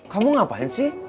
kamu ngapain sih